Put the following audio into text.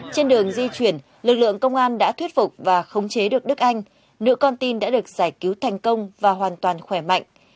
trên đường di chuyển lực lượng công an đã thuyết phục và khống chế được đức anh nữ con tin đã được giải cứu thành công và hoàn toàn khỏe mạnh